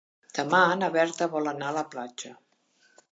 Demà na Berta vol anar a la platja.